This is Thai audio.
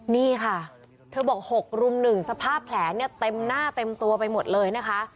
นี่ค่ะเธอบอก๖รุม๑สภาพแผลเนี่ยเต็มหน้าเต็มตัวไปหมดเลยนะคะ